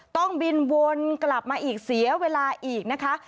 ต้องบินวนกลับมาอีกเสียเวลาอีกนะคะ